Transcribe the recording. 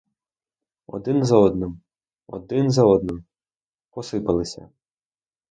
Один за одним, один за одним, посипалися.